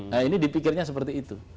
nah ini dipikirnya seperti itu